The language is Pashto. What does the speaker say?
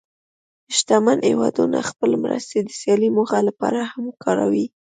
شتمن هېوادونه خپلې مرستې د سیاسي موخو لپاره هم کاروي.